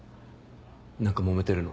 何かもめてるの？